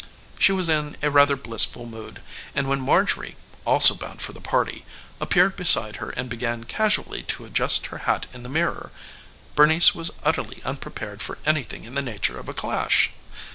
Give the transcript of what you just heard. She was in rather a blissful mood, and when Marjorie also bound for the party appeared beside her and began casually to adjust her hat in the mirror, Bernice was utterly unprepared for anything in the nature of a clash.